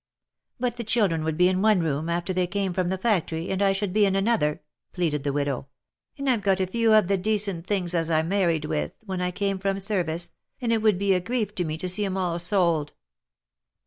" But the children would be in one room, after they came from the factory, and I should be in another," pleaded the widow, " and I've got a few of the decent things as I married with, when I came from service, and it would be a grief tome to see 'em all §pld."